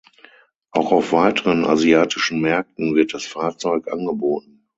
Auch auf weiteren asiatischen Märkten wird das Fahrzeug angeboten.